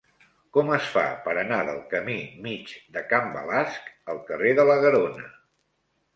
Com es fa per anar del camí Mig de Can Balasc al carrer de la Garona?